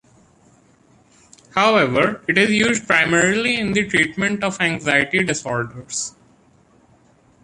However, it is used primarily in the treatment of anxiety disorders.